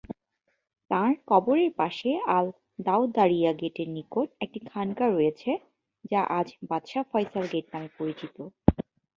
তাঁর কবরের পাশে আল-দাওদারিয়া গেটের নিকট একটি খানকাহ রয়েছে, যা আজ বাদশাহ ফয়সাল গেট নামে পরিচিত।